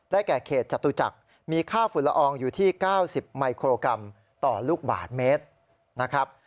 แก่เขตจตุจักรมีค่าฝุ่นละอองอยู่ที่๙๐มิโครกรัมต่อลูกบาทเมตรนะครับ